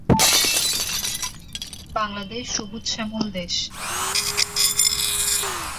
বাংলাদেশ সবুজ শ্যামল দেশ।